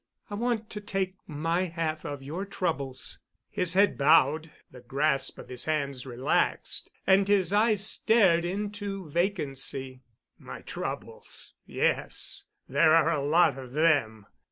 I want to take my half of your troubles." His head bowed, the grasp of his hands relaxed, and his eyes stared into vacancy. "My troubles—yes, there are a lot of them.